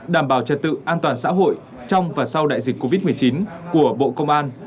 đảm bảo trật tự an toàn xã hội trong và sau đại dịch covid một mươi chín của bộ công an